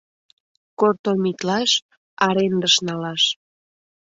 Кортомитлаш — арендыш налаш.